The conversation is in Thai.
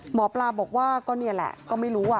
หมอปลาบอกว่าก็นี่แหละก็ไม่รู้